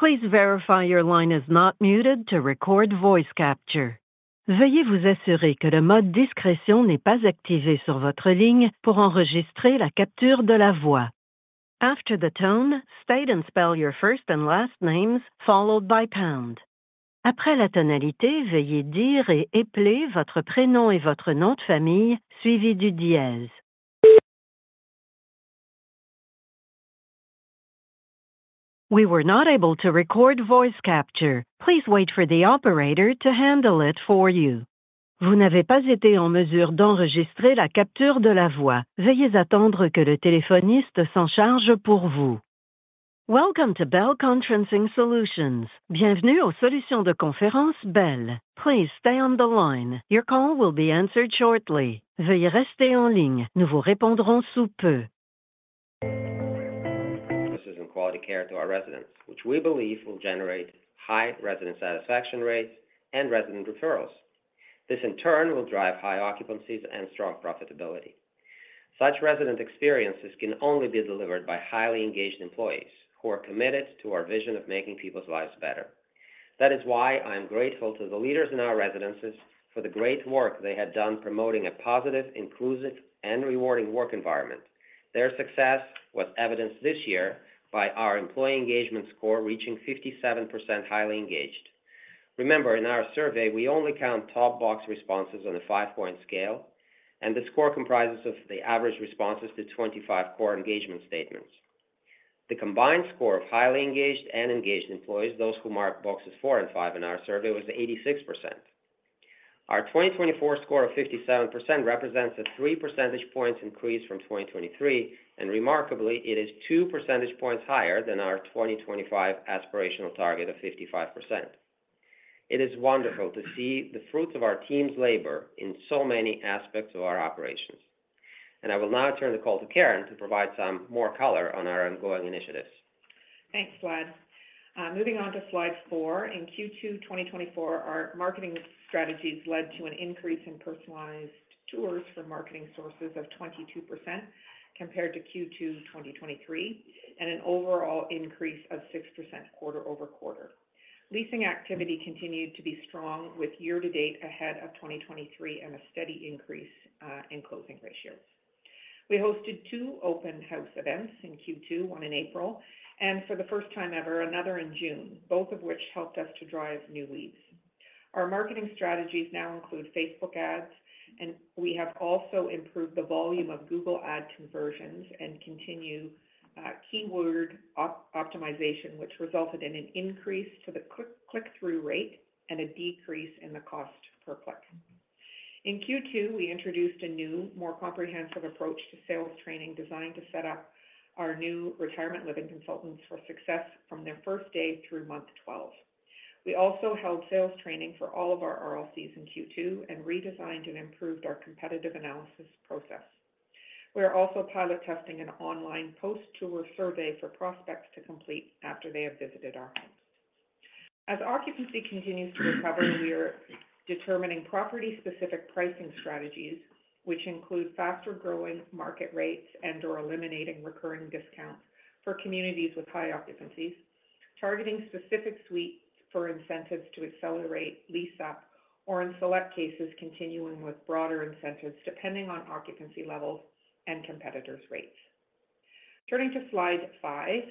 And quality care to our residents, which we believe will generate high resident satisfaction rates and resident referrals. This, in turn, will drive high occupancies and strong profitability. Such resident experiences can only be delivered by highly engaged employees who are committed to our vision of making people's lives better. That is why I am grateful to the leaders in our residences for the great work they have done promoting a positive, inclusive, and rewarding work environment. Their success was evidenced this year by our employee engagement score reaching 57% highly engaged. Remember, in our survey, we only count top box responses on a five-point scale, and the score comprises of the average responses to 25 core engagement statements. The combined score of highly engaged and engaged employees, those who marked boxes 4 and 5 in our survey, was 86%. Our 2024 score of 57% represents a 3 percentage points increase from 2023, and remarkably, it is 2 percentage points higher than our 2025 aspirational target of 55%. It is wonderful to see the fruits of our team's labor in so many aspects of our operations. I will now turn the call to Karen to provide some more color on our ongoing initiatives. Thanks, Vlad. Moving on to slide four. In Q2 2024, our marketing strategies led to an increase in personalized tours for marketing sources of 22% compared to Q2 2023, and an overall increase of 6% quarter over quarter. Leasing activity continued to be strong, with year-to-date ahead of 2023 and a steady increase in closing ratios. We hosted two open house events in Q2, one in April, and for the first time ever, another in June, both of which helped us to drive new leads. Our marketing strategies now include Facebook Ads, and we have also improved the volume of Google Ad conversions and continue keyword optimization, which resulted in an increase to the click-through rate and a decrease in the cost per click. In Q2, we introduced a new, more comprehensive approach to sales training, designed to set up our new retirement living consultants for success from their first day through month 12. We also held sales training for all of our RLCs in Q2 and redesigned and improved our competitive analysis process. We are also pilot testing an online post-tour survey for prospects to complete after they have visited our homes. As occupancy continues to recover, we are determining property-specific pricing strategies, which include faster-growing market rates and/or eliminating recurring discounts for communities with high occupancies, targeting specific suites for incentives to accelerate lease-up, or in select cases, continuing with broader incentives depending on occupancy levels and competitors' rates. Turning to slide 5,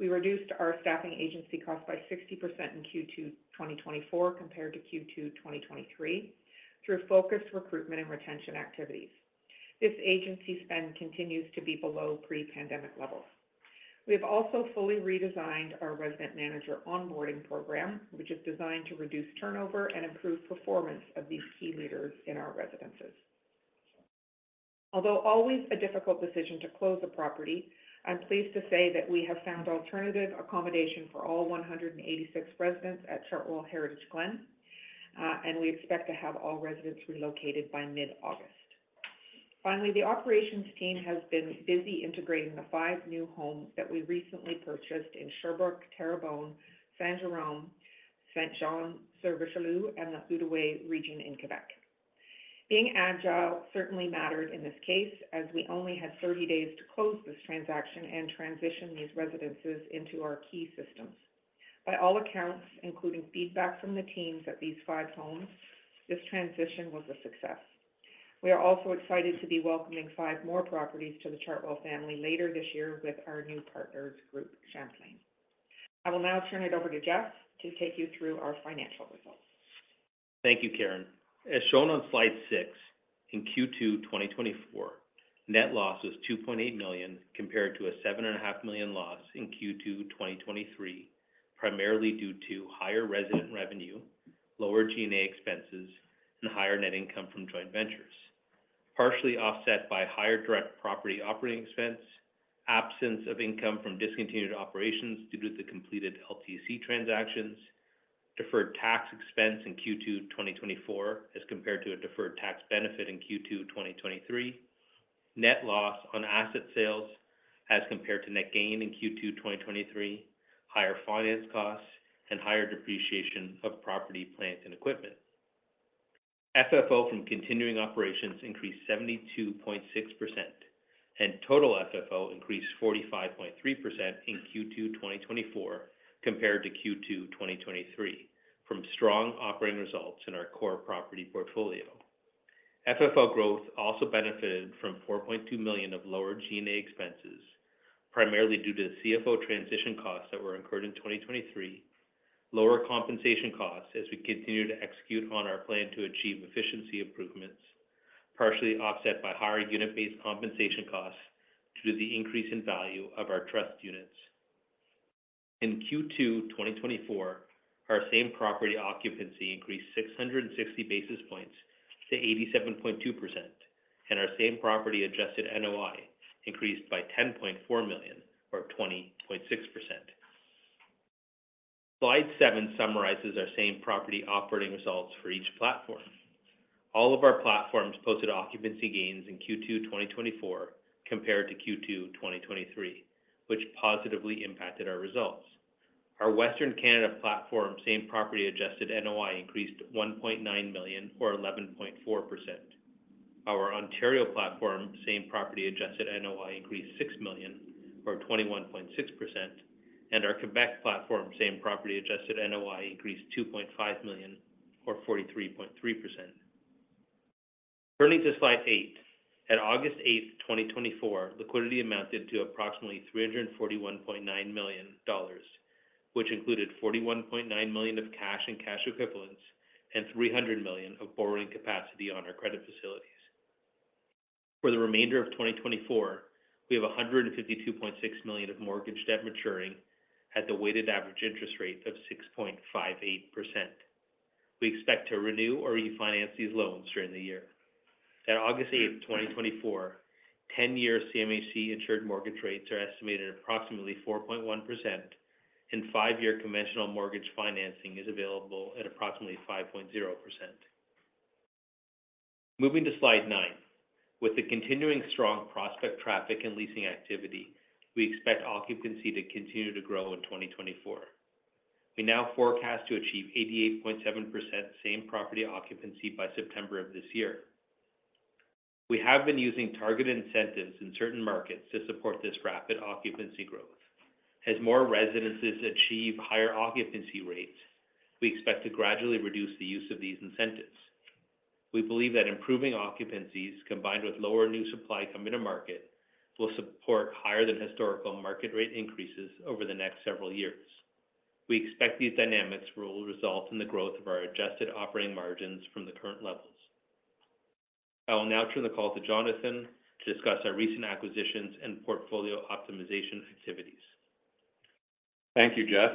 we reduced our staffing agency costs by 60% in Q2, 2024, compared to Q2, 2023, through focused recruitment and retention activities. This agency spend continues to be below pre-pandemic levels. We have also fully redesigned our resident manager onboarding program, which is designed to reduce turnover and improve performance of these key leaders in our residences. Although always a difficult decision to close a property, I'm pleased to say that we have found alternative accommodation for all 186 residents at Chartwell Heritage Glen, and we expect to have all residents relocated by mid-August. Finally, the operations team has been busy integrating the 5 new homes that we recently purchased in Sherbrooke, Terrebonne, Saint-Jérôme, Saint-Jean-sur-Richelieu, and the Outaouais region in Quebec. Being agile certainly mattered in this case, as we only had 30 days to close this transaction and transition these residences into our key systems. By all accounts, including feedback from the teams at these 5 homes, this transition was a success. We are also excited to be welcoming five more properties to the Chartwell family later this year with our new partners, Groupe Champlain. I will now turn it over to Jeff to take you through our financial results. Thank you, Karen. As shown on slide 6, in Q2 2024, net loss was 2.8 million, compared to a 7.5 million loss in Q2 2023, primarily due to higher resident revenue, lower G&A expenses, and higher net income from joint ventures. Partially offset by higher direct property operating expense, absence of income from discontinued operations due to the completed LTC transactions, deferred tax expense in Q2 2024, as compared to a deferred tax benefit in Q2 2023, net loss on asset sales as compared to net gain in Q2 2023, higher finance costs, and higher depreciation of property, plant, and equipment. FFO from continuing operations increased 72.6%, and total FFO increased 45.3% in Q2 2024 compared to Q2 2023, from strong operating results in our core property portfolio. FFO growth also benefited from 4.2 million of lower G&A expenses, primarily due to the CFO transition costs that were incurred in 2023, lower compensation costs as we continue to execute on our plan to achieve efficiency improvements, partially offset by higher unit-based compensation costs due to the increase in value of our trust units. In Q2 2024, our same property occupancy increased 660 basis points to 87.2%, and our same property adjusted NOI increased by 10.4 million, or 20.6%. Slide 7 summarizes our same property operating results for each platform. All of our platforms posted occupancy gains in Q2 2024 compared to Q2 2023, which positively impacted our results. Our Western Canada platform, same property adjusted NOI, increased 1.9 million or 11.4%. Our Ontario platform, same property adjusted NOI, increased 6 million or 21.6%, and our Quebec platform, same property adjusted NOI, increased 2.5 million or 43.3%. Turning to slide 8. At August 8, 2024, liquidity amounted to approximately 341.9 million dollars, which included 41.9 million of cash and cash equivalents, and 300 million of borrowing capacity on our credit facilities. For the remainder of 2024, we have 152.6 million of mortgage debt maturing at the weighted average interest rate of 6.58%. We expect to renew or refinance these loans during the year. At August eighth, 2024, 10-year CMHC insured mortgage rates are estimated at approximately 4.1%, and 5-year conventional mortgage financing is available at approximately 5.0%. Moving to slide 9. With the continuing strong prospect traffic and leasing activity, we expect occupancy to continue to grow in 2024. We now forecast to achieve 88.7% same property occupancy by September of this year. We have been using targeted incentives in certain markets to support this rapid occupancy growth. As more residences achieve higher occupancy rates, we expect to gradually reduce the use of these incentives. We believe that improving occupancies, combined with lower new supply coming to market, will support higher than historical market rate increases over the next several years. We expect these dynamics will result in the growth of our adjusted operating margins from the current levels. I will now turn the call to Jonathan to discuss our recent acquisitions and portfolio optimization activities. Thank you, Jeff.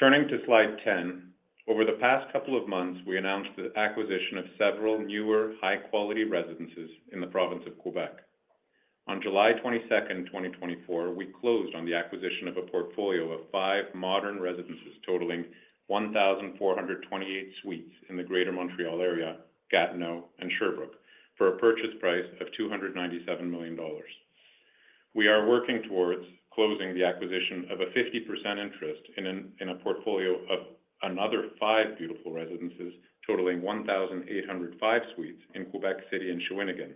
Turning to slide 10. Over the past couple of months, we announced the acquisition of several newer, high-quality residences in the province of Quebec. On July 22, 2024, we closed on the acquisition of a portfolio of five modern residences, totaling 1,428 suites in the Greater Montreal Area, Gatineau, and Sherbrooke, for a purchase price of 297 million dollars. We are working towards closing the acquisition of a 50% interest in a portfolio of another five beautiful residences, totaling 1,805 suites in Quebec City and Shawinigan,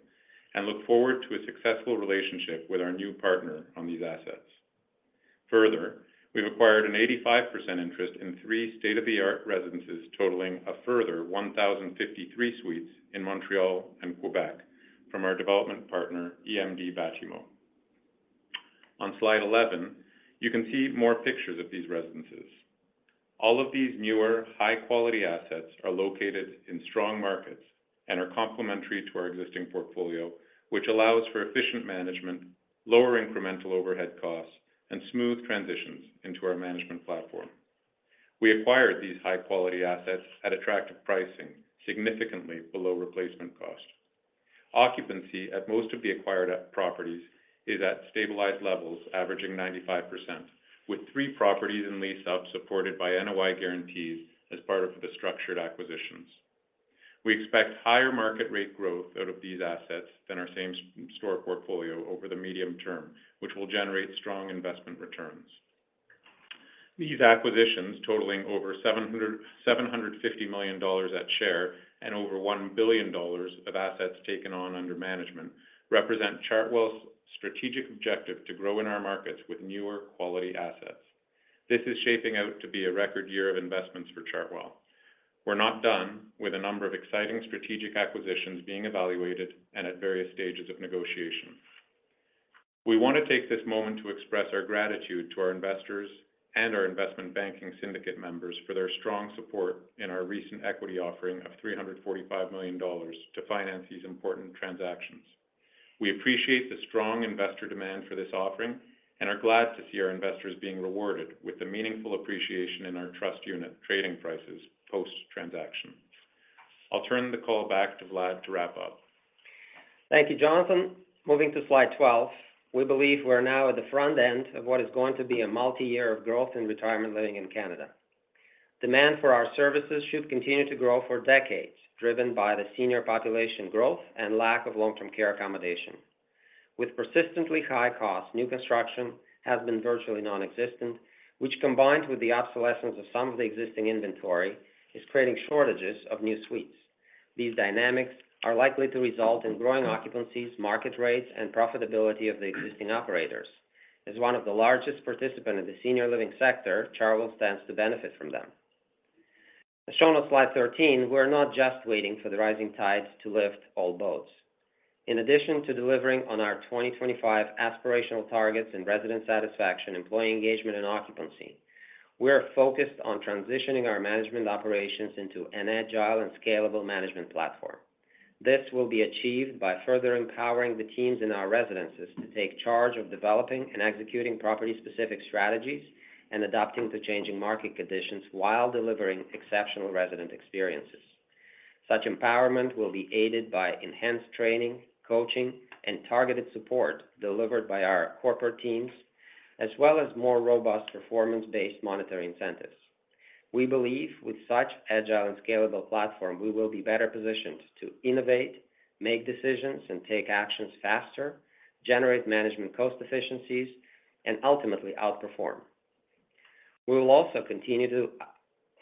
and look forward to a successful relationship with our new partner on these assets. Further, we've acquired an 85% interest in three state-of-the-art residences, totaling a further 1,053 suites in Montreal and Quebec from our development partner, EMD-Batimo. On slide 11, you can see more pictures of these residences. All of these newer, high-quality assets are located in strong markets and are complementary to our existing portfolio, which allows for efficient management, lower incremental overhead costs, and smooth transitions into our management platform. We acquired these high-quality assets at attractive pricing, significantly below replacement cost. Occupancy at most of the acquired properties is at stabilized levels, averaging 95%, with 3 properties in lease-up, supported by NOI guarantees as part of the structured acquisitions. We expect higher market rate growth out of these assets than our same store portfolio over the medium term, which will generate strong investment returns. These acquisitions, totaling over 750 million dollars at share and over 1 billion dollars of assets taken on under management, represent Chartwell's strategic objective to grow in our markets with newer quality assets. This is shaping out to be a record year of investments for Chartwell. We're not done with a number of exciting strategic acquisitions being evaluated and at various stages of negotiation. We want to take this moment to express our gratitude to our investors and our investment banking syndicate members for their strong support in our recent equity offering of 345 million dollars to finance these important transactions. We appreciate the strong investor demand for this offering and are glad to see our investors being rewarded with a meaningful appreciation in our trust unit trading prices post-transaction. I'll turn the call back to Vlad to wrap up. Thank you, Jonathan. Moving to slide 12. We believe we're now at the front end of what is going to be a multi-year of growth in retirement living in Canada. Demand for our services should continue to grow for decades, driven by the senior population growth and lack of long-term care accommodations. With persistently high costs, new construction has been virtually nonexistent, which, combined with the obsolescence of some of the existing inventory, is creating shortages of new suites. These dynamics are likely to result in growing occupancies, market rates, and profitability of the existing operators. As one of the largest participant in the senior living sector, Chartwell stands to benefit from them. As shown on slide 13, we're not just waiting for the rising tides to lift all boats. In addition to delivering on our 2025 aspirational targets in resident satisfaction, employee engagement, and occupancy, we are focused on transitioning our management operations into an agile and scalable management platform. This will be achieved by further empowering the teams in our residences to take charge of developing and executing property-specific strategies and adapting to changing market conditions, while delivering exceptional resident experiences. Such empowerment will be aided by enhanced training, coaching, and targeted support delivered by our corporate teams, as well as more robust performance-based monetary incentives. We believe with such agile and scalable platform, we will be better positioned to innovate, make decisions, and take actions faster, generate management cost efficiencies, and ultimately outperform. We will also continue to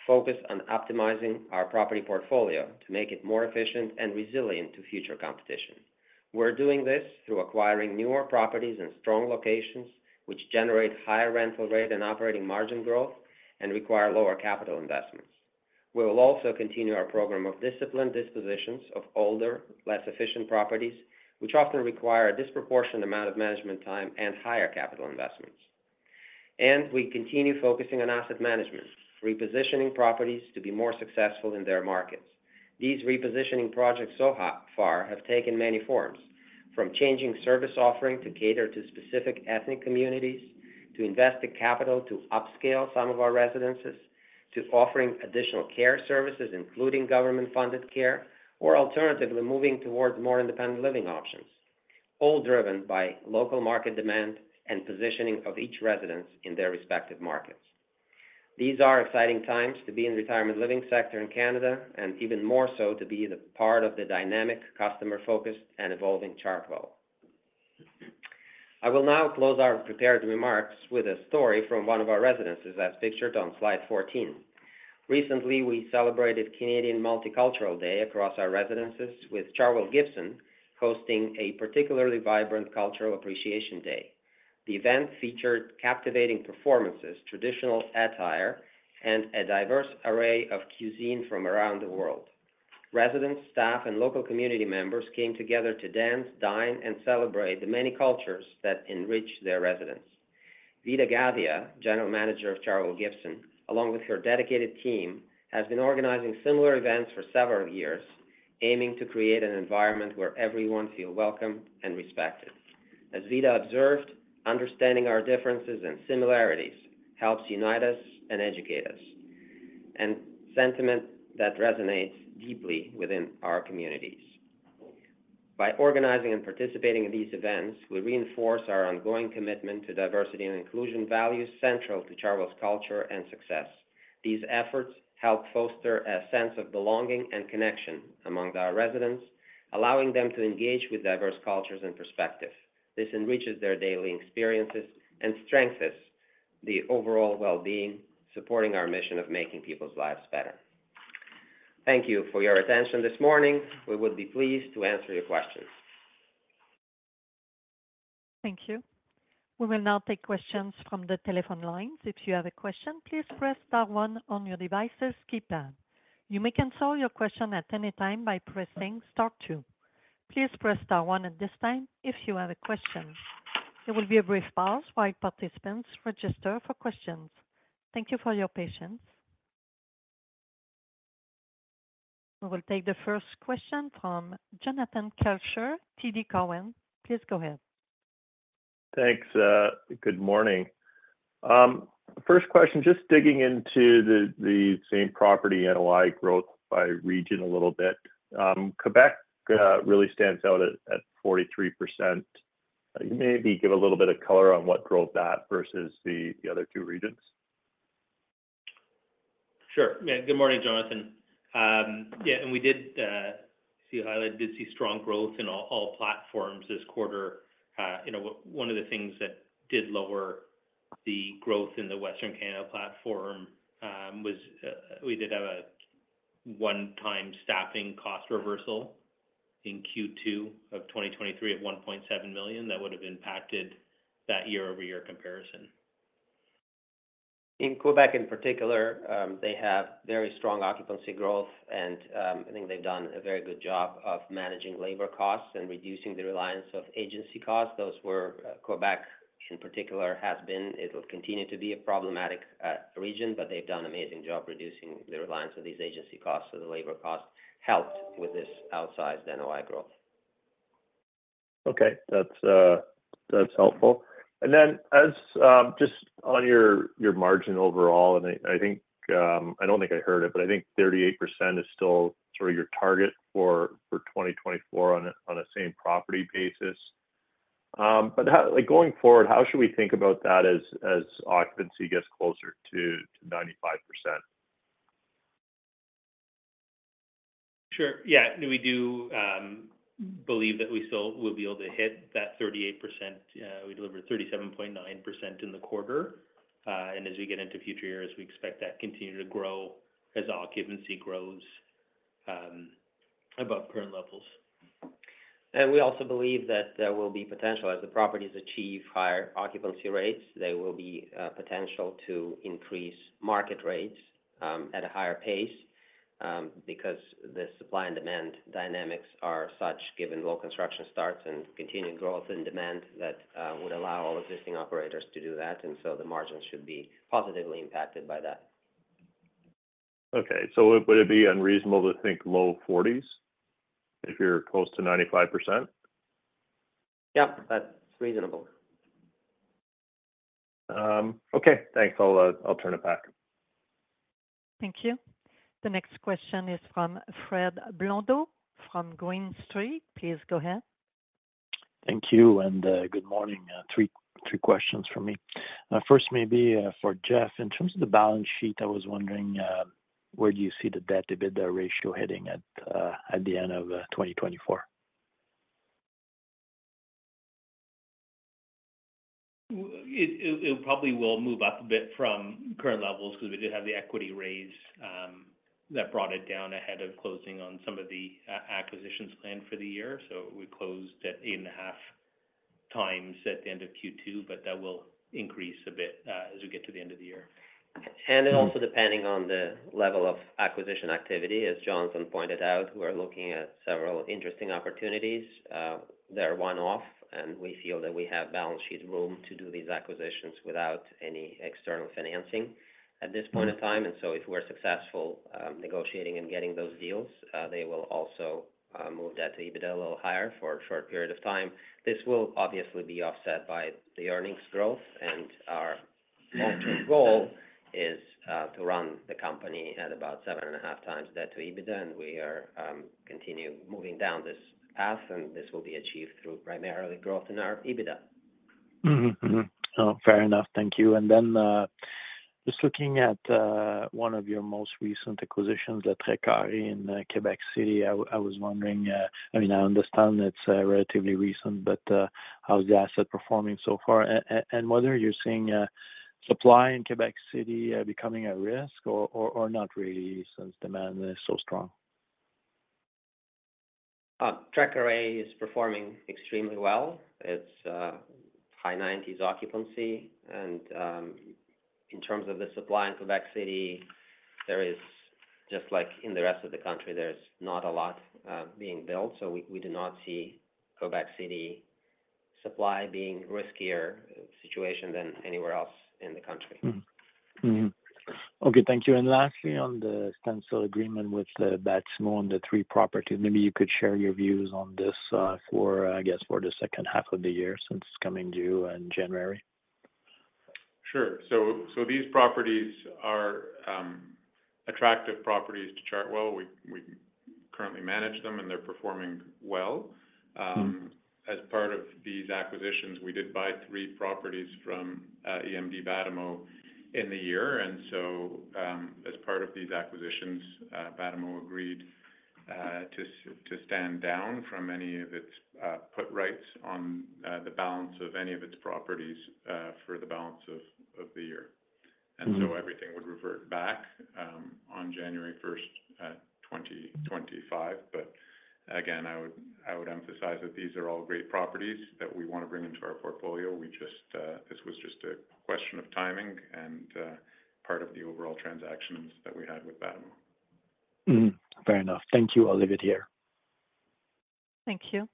focus on optimizing our property portfolio to make it more efficient and resilient to future competition. We're doing this through acquiring newer properties in strong locations, which generate higher rental rate and operating margin growth and require lower capital investments. We will also continue our program of disciplined dispositions of older, less efficient properties, which often require a disproportionate amount of management time and higher capital investments. And we continue focusing on asset management, repositioning properties to be more successful in their markets. These repositioning projects so far have taken many forms, from changing service offering to cater to specific ethnic communities, to investing capital to upscale some of our residences, to offering additional care services, including government-funded care, or alternatively, moving towards more independent living options, all driven by local market demand and positioning of each residence in their respective markets. These are exciting times to be in the retirement living sector in Canada, and even more so, to be the part of the dynamic, customer-focused, and evolving Chartwell. I will now close our prepared remarks with a story from one of our residences, as pictured on slide 14. Recently, we celebrated Canadian Multicultural Day across our residences, with Chartwell Gibson hosting a particularly vibrant cultural appreciation day. The event featured captivating performances, traditional attire, and a diverse array of cuisine from around the world. Residents, staff, and local community members came together to dance, dine, and celebrate the many cultures that enrich their residents. Vida Gavia, General Manager of Chartwell Gibson, along with her dedicated team, has been organizing similar events for several years, aiming to create an environment where everyone feels welcome and respected. As Vida observed: "Understanding our differences and similarities helps unite us and educate us," a sentiment that resonates deeply within our communities. By organizing and participating in these events, we reinforce our ongoing commitment to diversity and inclusion values central to Chartwell's culture and success. These efforts help foster a sense of belonging and connection among our residents, allowing them to engage with diverse cultures and perspectives. This enriches their daily experiences and strengthens the overall well-being, supporting our mission of making people's lives better. Thank you for your attention this morning. We would be pleased to answer your questions. Thank you. We will now take questions from the telephone lines. If you have a question, please press star one on your devices' keypad. You may cancel your question at any time by pressing star two. Please press star one at this time if you have a question. There will be a brief pause while participants register for questions. Thank you for your patience. We will take the first question from Jonathan Kelcher, TD Cowen. Please go ahead. Thanks, good morning. First question, just digging into the, the same property NOI growth by region a little bit. Quebec, really stands out at, at 43%. Can you maybe give a little bit of color on what drove that versus the, the other two regions? Sure. Yeah. Good morning, Jonathan. Yeah, and we did see, did see strong growth in all, all platforms this quarter. You know, one of the things that did lower the growth in the Western Canada platform was we did have a one-time staffing cost reversal in Q2 of 2023 at 1.7 million. That would have impacted that year-over-year comparison. In Quebec, in particular, they have very strong occupancy growth, and I think they've done a very good job of managing labor costs and reducing the reliance of agency costs. Quebec, in particular, has been... It will continue to be a problematic region, but they've done an amazing job reducing the reliance on these agency costs, so the labor cost helped with this outsized NOI growth. Okay. That's helpful. And then as just on your, your margin overall, and I, I think I don't think I heard it, but I think 38% is still sort of your target for 2024 on a, on a same property basis. But how, like, going forward, how should we think about that as occupancy gets closer to 95%? Sure. Yeah, we do believe that we still will be able to hit that 38%. We delivered 37.9% in the quarter. We expect that continue to grow as our occupancy grows above current levels. And we also believe that there will be potential. As the properties achieve higher occupancy rates, there will be potential to increase market rates at a higher pace because the supply and demand dynamics are such, given low construction starts and continued growth in demand, that would allow all existing operators to do that, and so the margins should be positively impacted by that. Okay. So would it be unreasonable to think low 40s if you're close to 95%? Yep, that's reasonable. Okay, thanks. I'll, I'll turn it back. Thank you. The next question is from Fred Blondeau, from Green Street. Please go ahead. Thank you, and good morning. Three questions from me. First, maybe for Jeff. In terms of the balance sheet, I was wondering where do you see the Debt-to-EBITDA ratio heading at the end of 2024? It probably will move up a bit from current levels, 'cause we did have the equity raise that brought it down ahead of closing on some of the acquisitions planned for the year. So we closed at 8.5x at the end of Q2, but that will increase a bit as we get to the end of the year. It also depending on the level of acquisition activity, as Jonathan pointed out, we're looking at several interesting opportunities. They're one-off, and we feel that we have balance sheet room to do these acquisitions without any external financing at this point in time. So, if we're successful negotiating and getting those deals, they will also move Debt-to-EBITDA a little higher for a short period of time. This will obviously be offset by the earnings growth, and our long-term goal is to run the company at about 7.5x Debt-to-EBITDA, and we are continuing moving down this path, and this will be achieved through primarily growth in our EBITDA. Mm-hmm. Mm-hmm. Oh, fair enough. Thank you. And then, just looking at one of your most recent acquisitions at Trait-Carré in Quebec City, I was wondering, I mean, I understand it's relatively recent, but how's the asset performing so far? And whether you're seeing supply in Quebec City becoming at risk or, or not really, since demand is so strong. Trait-Carré is performing extremely well. It's high 90s occupancy and in terms of the supply in Quebec City, there is, just like in the rest of the country, there's not a lot being built, so we do not see Quebec City supply being riskier situation than anywhere else in the country. Mm-hmm. Mm-hmm. Okay, thank you. Lastly, on the stencil agreement with Batimo on the three properties, maybe you could share your views on this for, I guess, for the second half of the year since it's coming due in January. Sure. So these properties are attractive properties to Chartwell. We currently manage them, and they're performing well. Mm-hmm. As part of these acquisitions, we did buy three properties from EMD-Batimo in the year. And so, as part of these acquisitions, Batimo agreed to stand down from any of its put rights on the balance of any of its properties for the balance of the year. Mm-hmm. Everything would revert back on January first, 2025. But again, I would, I would emphasize that these are all great properties that we want to bring into our portfolio. We just. This was just a question of timing and part of the overall transactions that we had with Batimo. Mm-hmm, fair enough. Thank you. I'll leave it here. Thank you.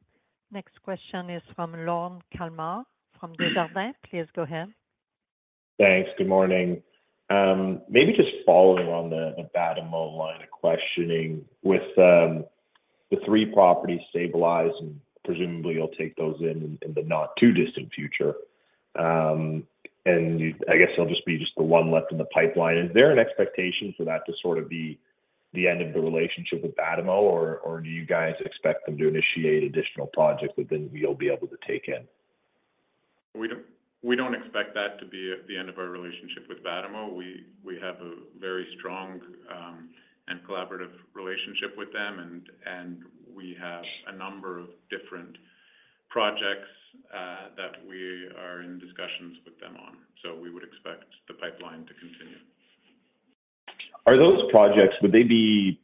Next question is from Lorne Kalmar from Desjardins. Please go ahead. Thanks. Good morning. Maybe just following on the Batimo line of questioning. With the three properties stabilized, and presumably you'll take those in the not too distant future, and I guess there'll just be the one left in the pipeline. Is there an expectation for that to sort of be the end of the relationship with Batimo, or do you guys expect them to initiate additional projects within you'll be able to take in? We don't expect that to be the end of our relationship with Batimo. We have a very strong and collaborative relationship with them, and we have a number of different projects that we are in discussions with them on. So we would expect the pipeline to continue. Are those projects, would they be,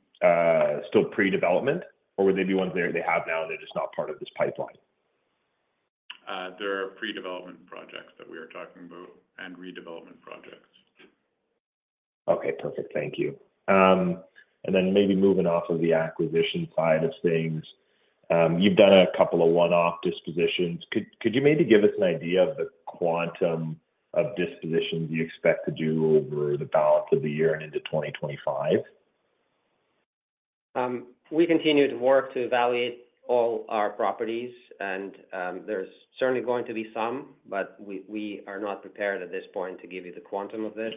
still pre-development, or would they be ones they, they have now, they're just not part of this pipeline? There are pre-development projects that we are talking about and redevelopment projects. Okay, perfect. Thank you. Maybe moving off of the acquisition side of things, you've done a couple of one-off dispositions. Could you maybe give us an idea of the quantum of dispositions you expect to do over the balance of the year and into 2025? We continue to work to evaluate all our properties, and, there's certainly going to be some, but we, we are not prepared at this point to give you the quantum of this.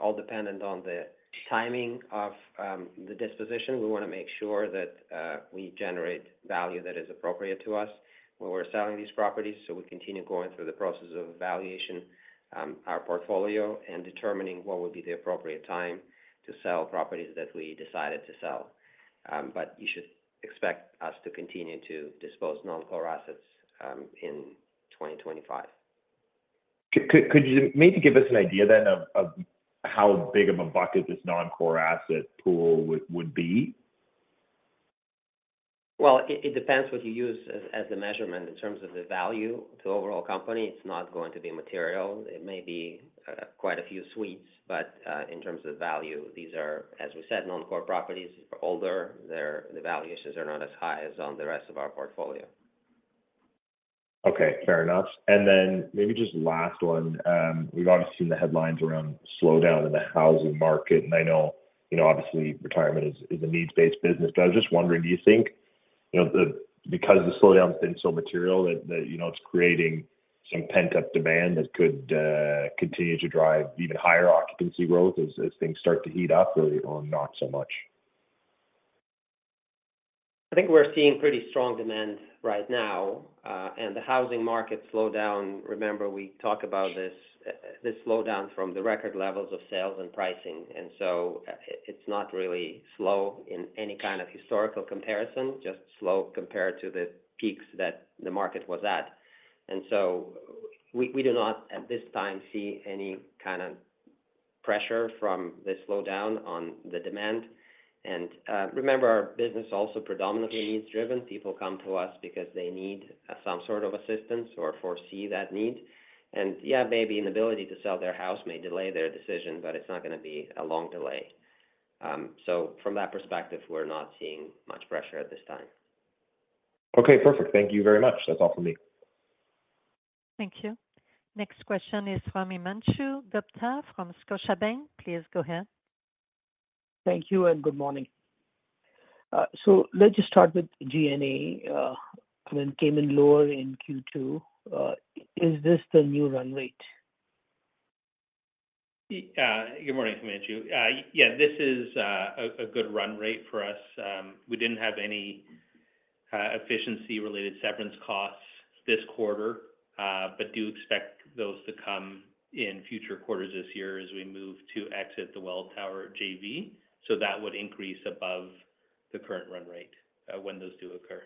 All dependent on the timing of the disposition. We want to make sure that we generate value that is appropriate to us when we're selling these properties. So we continue going through the process of valuation, our portfolio, and determining what would be the appropriate time to sell properties that we decided to sell. But you should expect us to continue to dispose non-core assets in 2025. Could you maybe give us an idea then of how big of a bucket this non-core asset pool would be? Well, it depends what you use as the measurement. In terms of the value to overall company, it's not going to be material. It may be quite a few suites, but in terms of value, these are, as we said, non-core properties. They're older, the valuations are not as high as on the rest of our portfolio. Okay, fair enough. And then maybe just last one. We've obviously seen the headlines around slowdown in the housing market, and I know, you know, obviously, retirement is, is a needs-based business. But I was just wondering, do you think, you know, because the slowdown's been so material that, that, you know, it's creating some pent-up demand that could continue to drive even higher occupancy growth as, as things start to heat up or, or not so much? I think we're seeing pretty strong demand right now, and the housing market slowdown, remember, we talk about this, this slowdown from the record levels of sales and pricing, and so, it's not really slow in any kind of historical comparison, just slow compared to the peaks that the market was at. And so we do not, at this time, see any kind of pressure from the slowdown on the demand. And, remember, our business is also predominantly needs-driven. People come to us because they need some sort of assistance or foresee that need. And, yeah, maybe an ability to sell their house may delay their decision, but it's not gonna be a long delay. So from that perspective, we're not seeing much pressure at this time. Okay, perfect. Thank you very much. That's all for me. Thank you. Next question is from Himanshu Gupta from Scotiabank. Please go ahead. Thank you and good morning. So let's just start with G&A when it came in lower in Q2. Is this the new run rate? Yeah, good morning, Himanshu. Yeah, this is a good run rate for us. We didn't have any efficiency-related severance costs this quarter, but do expect those to come in future quarters this year as we move to exit the Welltower JV. So that would increase above the current run rate when those do occur.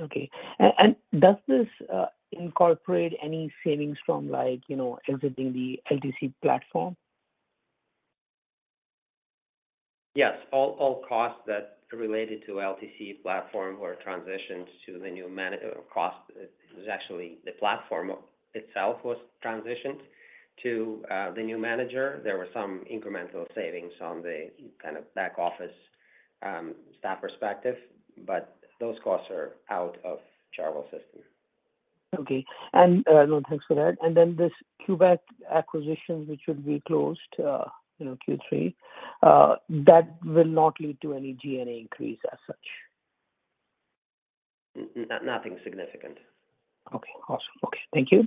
Okay. And does this incorporate any savings from, like, you know, exiting the LTC platform? Yes. All costs that related to LTC platform were transitioned to the new management. It was actually the platform itself was transitioned to the new manager. There were some incremental savings on the kind of back office, staff perspective, but those costs are out of Chartwell system. Okay. And, no, thanks for that. And then this Quebec acquisition, which would be closed, you know, Q3, that will not lead to any G&A increase as such? Nothing significant. Okay, awesome. Okay, thank you.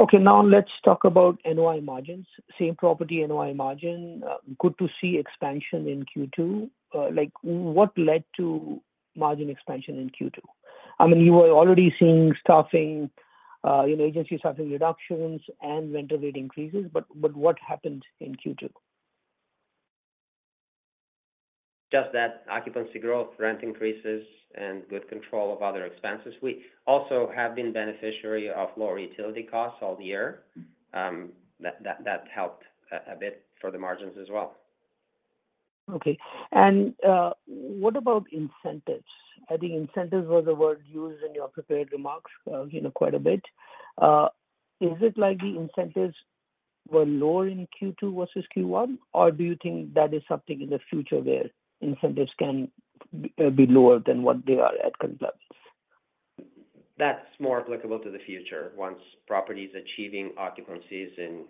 Okay, now let's talk about NOI margins. Same-property NOI margin, good to see expansion in Q2. Like, what led to margin expansion in Q2? I mean, you were already seeing staffing, you know, agency staffing reductions and rental rate increases, but what happened in Q2? Just that occupancy growth, rent increases, and good control of other expenses. We also have been beneficiary of lower utility costs all year. That helped a bit for the margins as well. Okay. And, what about incentives? I think incentives were the word used in your prepared remarks, you know, quite a bit. Is it like the incentives were lower in Q2 versus Q1, or do you think that is something in the future where incentives can be lower than what they are at compliance? That's more applicable to the future. Once property is achieving occupancies in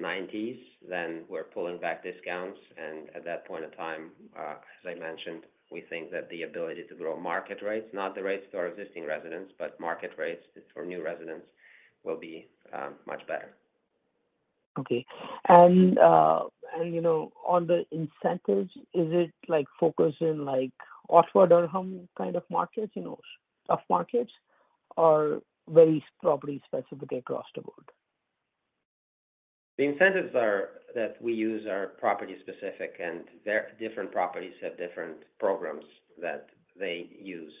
90s, then we're pulling back discounts, and at that point in time, as I mentioned, we think that the ability to grow market rates, not the rates to our existing residents, but market rates for new residents, will be, much better. Okay. And, you know, on the incentives, is it, like, focusing, like, Ottawa, Durham kind of markets, you know, tough markets? Or very property-specific across the board? The incentives that we use are property-specific, and their different properties have different programs that they use,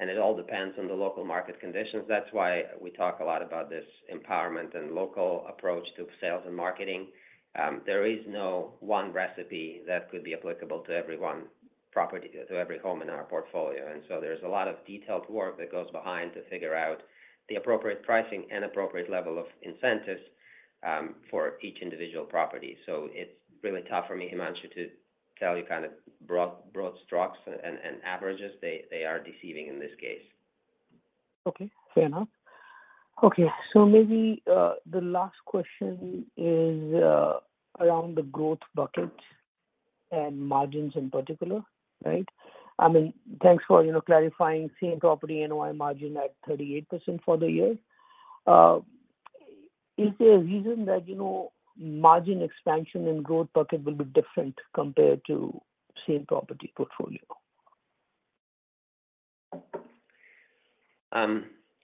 and it all depends on the local market conditions. That's why we talk a lot about this empowerment and local approach to sales and marketing. There is no one recipe that could be applicable to every one property, to every home in our portfolio. And so there's a lot of detailed work that goes behind to figure out the appropriate pricing and appropriate level of incentives, for each individual property. So it's really tough for me, Himanshu, to tell you kind of broad, broad strokes and, and averages. They, they are deceiving in this case. Okay, fair enough. Okay, so maybe the last question is around the growth buckets and margins in particular, right? I mean, thanks for, you know, clarifying same-property NOI margin at 38% for the year. Is there a reason that, you know, margin expansion and growth bucket will be different compared to same-property portfolio?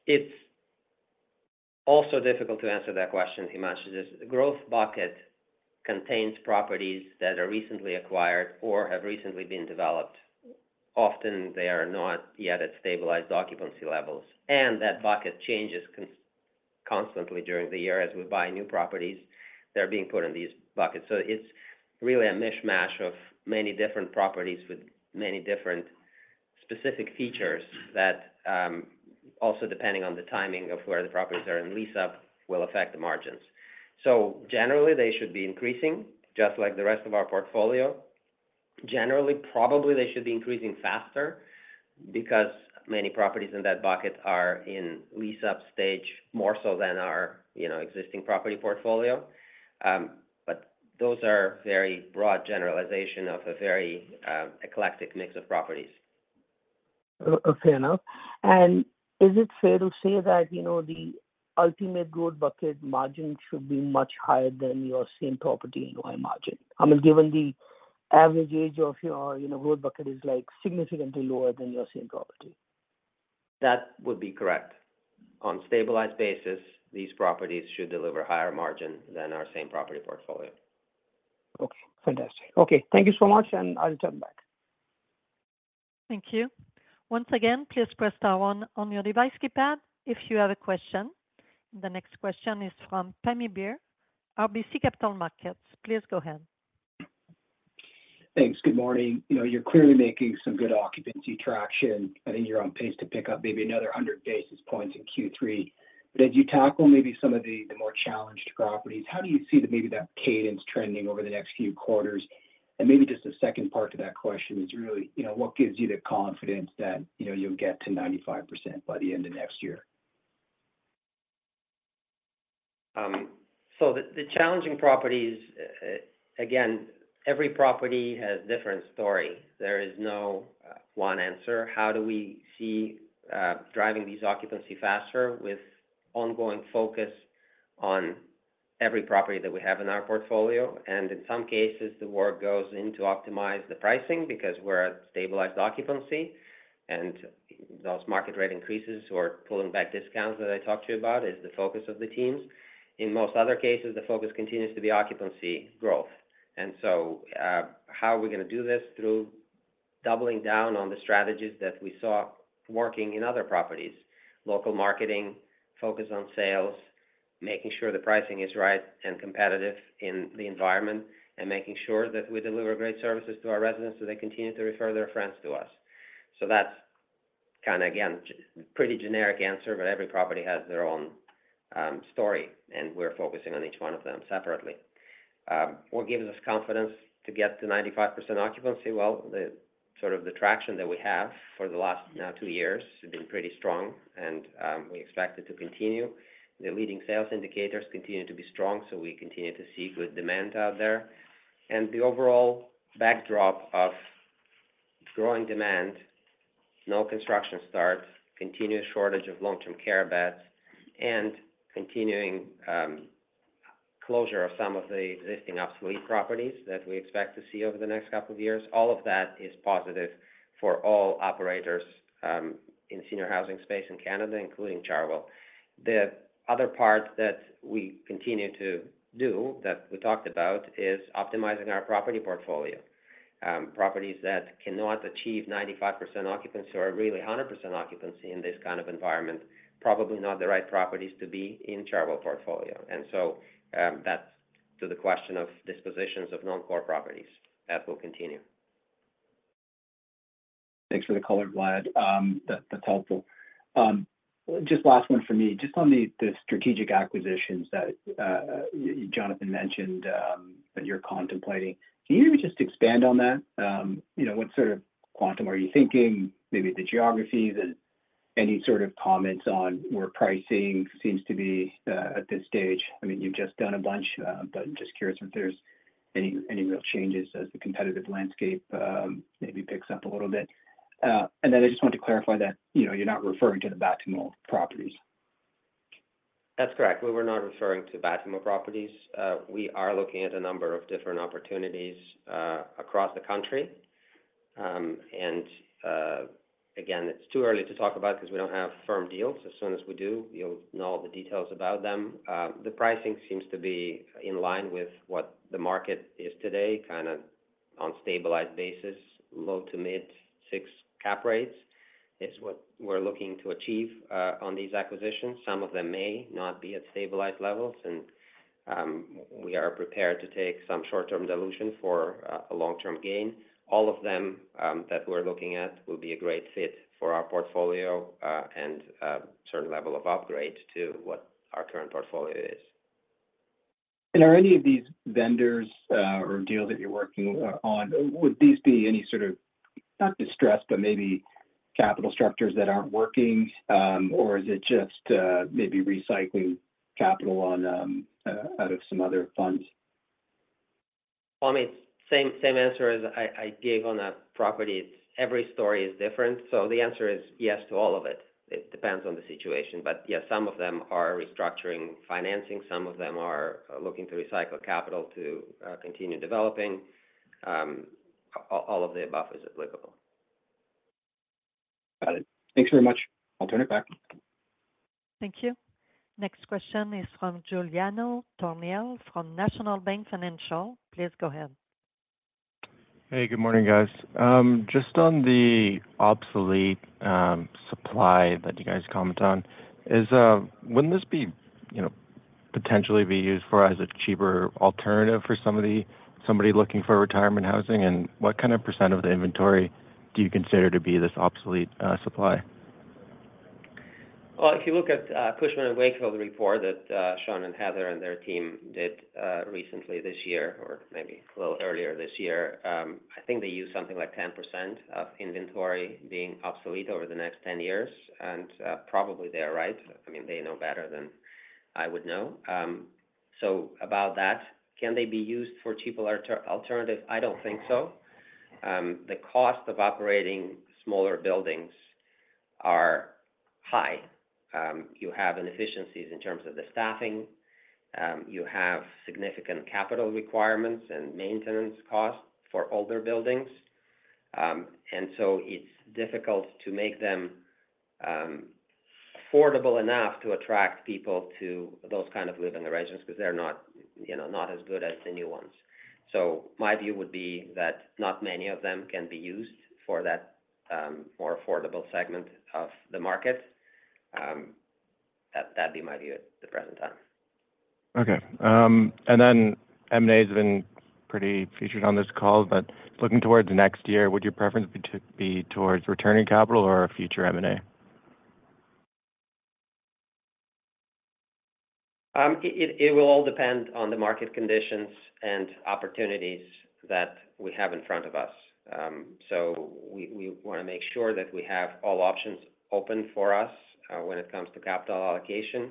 It's also difficult to answer that question, Himanshu. The growth bucket contains properties that are recently acquired or have recently been developed. Often, they are not yet at stabilized occupancy levels, and that bucket changes constantly during the year as we buy new properties that are being put in these buckets. So it's really a mishmash of many different properties with many different specific features that also depending on the timing of where the properties are in lease-up, will affect the margins. So generally, they should be increasing, just like the rest of our portfolio. Generally, probably they should be increasing faster, because many properties in that bucket are in lease-up stage, more so than our, you know, existing property portfolio. But those are very broad generalization of a very eclectic mix of properties. Fair enough. Is it fair to say that, you know, the ultimate growth bucket margin should be much higher than your same-property NOI margin? I mean, given the average age of your, you know, growth bucket is, like, significantly lower than your same property. That would be correct. On stabilized basis, these properties should deliver higher margin than our same-property portfolio. Okay, fantastic. Okay, thank you so much, and I'll jump back. Thank you. Once again, please press star one on your device keypad if you have a question. The next question is from Pammi Bir, RBC Capital Markets. Please go ahead. Thanks. Good morning. You know, you're clearly making some good occupancy traction, and you're on pace to pick up maybe another 100 basis points in Q3. But as you tackle maybe some of the more challenged properties, how do you see that maybe that cadence trending over the next few quarters? And maybe just the second part to that question is really, you know, what gives you the confidence that, you know, you'll get to 95% by the end of next year? So the challenging properties, again, every property has a different story. There is no one answer. How do we see driving these occupancy faster with ongoing focus on every property that we have in our portfolio? And in some cases, the work goes in to optimize the pricing because we're at stabilized occupancy, and those market rate increases or pulling back discounts that I talked to you about is the focus of the teams. In most other cases, the focus continues to be occupancy growth. And so, how are we gonna do this? Through doubling down on the strategies that we saw working in other properties, local marketing, focus on sales, making sure the pricing is right and competitive in the environment, and making sure that we deliver great services to our residents, so they continue to refer their friends to us. So that's kind of, again, pretty generic answer, but every property has their own story, and we're focusing on each one of them separately. What gives us confidence to get to 95% occupancy? Well, the sort of the traction that we have for the last now two years has been pretty strong, and we expect it to continue. The leading sales indicators continue to be strong, so we continue to see good demand out there. And the overall backdrop of growing demand, no construction starts, continuous shortage of long-term care beds, and continuing closure of some of the existing obsolete properties that we expect to see over the next couple of years. All of that is positive for all operators in senior housing space in Canada, including Chartwell. The other part that we continue to do, that we talked about, is optimizing our property portfolio. Properties that cannot achieve 95% occupancy or really 100% occupancy in this kind of environment, probably not the right properties to be in Chartwell portfolio. And so, that's to the question of dispositions of non-core properties. That will continue. Thanks for the color, Vlad. That, that's helpful. Just last one for me. Just on the, the strategic acquisitions that Jonathan mentioned, that you're contemplating. Can you just expand on that? You know, what sort of quantum are you thinking, maybe the geographies, and any sort of comments on where pricing seems to be, at this stage? I mean, you've just done a bunch, but just curious if there's any, any real changes as the competitive landscape, maybe picks up a little bit. And then I just want to clarify that, you know, you're not referring to the Batimo properties. That's correct. We were not referring to Batimo properties. We are looking at a number of different opportunities across the country. And again, it's too early to talk about because we don't have firm deals. As soon as we do, you'll know all the details about them. The pricing seems to be in line with what the market is today, kind of on a stabilized basis, low- to mid-6 cap rates, is what we're looking to achieve on these acquisitions. Some of them may not be at stabilized levels, and we are prepared to take some short-term dilution for a long-term gain. All of them that we're looking at will be a great fit for our portfolio, and certain level of upgrade to what our current portfolio is. Are any of these vendors or deals that you're working on any sort of, not distressed, but maybe capital structures that aren't working? Or is it just maybe recycling capital out of some other funds? Well, I mean, same, same answer as I gave on the properties. Every story is different, so the answer is yes to all of it. It depends on the situation, but yes, some of them are restructuring, financing, some of them are looking to recycle capital to continue developing. All of the above is applicable. Got it. Thanks very much. I'll turn it back. Thank you. Next question is from Giuliano Thornhill, from National Bank Financial. Please go ahead. Hey, good morning, guys. Just on the obsolete supply that you guys comment on, is, wouldn't this be, you know, potentially be used for as a cheaper alternative for somebody, somebody looking for retirement housing? And what kind of percent of the inventory do you consider to be this obsolete supply? Well, if you look at Cushman & Wakefield report that Sean and Heather and their team did recently this year, or maybe a little earlier this year, I think they used something like 10% of inventory being obsolete over the next 10 years, and probably they are right. I mean, they know better than I would know. So about that, can they be used for cheaper alternative? I don't think so. The cost of operating smaller buildings are high. You have inefficiencies in terms of the staffing, you have significant capital requirements and maintenance costs for older buildings. And so it's difficult to make them affordable enough to attract people to those kind of living arrangements because they're not, you know, not as good as the new ones. My view would be that not many of them can be used for that, more affordable segment of the market. That, that'd be my view at the present time. Okay. Then M&A has been pretty featured on this call, but looking towards next year, would your preference be towards returning capital or a future M&A? It will all depend on the market conditions and opportunities that we have in front of us. So we want to make sure that we have all options open for us, when it comes to capital allocation.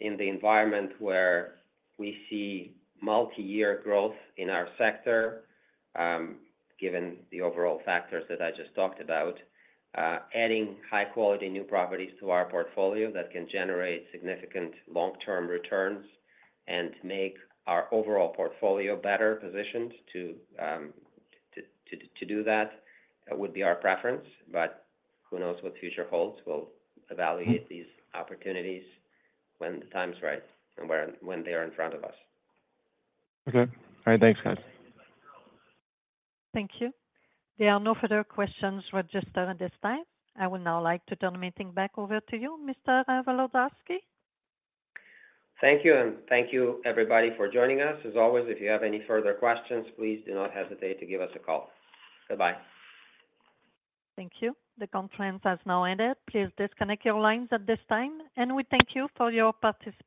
In the environment where we see multi-year growth in our sector, given the overall factors that I just talked about, adding high-quality new properties to our portfolio that can generate significant long-term returns and make our overall portfolio better positioned to do that, would be our preference. But who knows what the future holds? We'll evaluate these opportunities when the time is right and when they are in front of us. Okay. All right. Thanks, guys. Thank you. There are no further questions registered at this time. I would now like to turn the meeting back over to you, Mr. Volodarski. Thank you, and thank you, everybody, for joining us. As always, if you have any further questions, please do not hesitate to give us a call. Goodbye. Thank you. The conference has now ended. Please disconnect your lines at this time, and we thank you for your participation.